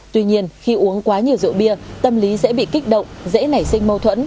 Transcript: tuy nhiên khi uống quá nhiều rượu bia tâm lý dễ bị kích động dễ nảy sinh mâu thuẫn